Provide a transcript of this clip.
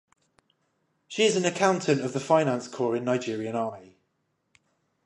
She is an accountant of the Finance Corp in Nigerian Army.